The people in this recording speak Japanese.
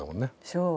そう。